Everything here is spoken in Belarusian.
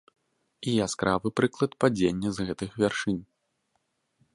І яскравы прыклад падзення з гэтых вяршынь.